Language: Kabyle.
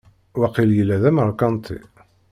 Waqil yella d ameṛkanti.